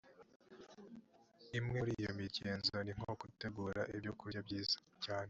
imwe muri iyo migenzo ni nko gutegura ibyo kurya byiza cyane